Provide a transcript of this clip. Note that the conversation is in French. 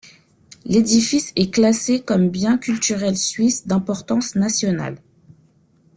L'édifice est classé comme bien culturel suisse d'importance nationale.